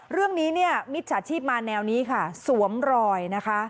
เรื่องนี้เนี่ยมิจฉาชีพมาแนวนี้ค่ะสวมรอยนะคะ